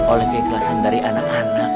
oleh keikhlasan dari anak anak